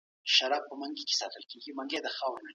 تاسو په اقتصادي بحثونو کي ګډون وکړئ.